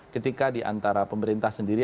ketika diantara pemerintah sendiri